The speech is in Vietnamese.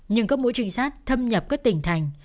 nhưng các mũi trinh sát thâm nhập các tỉnh thành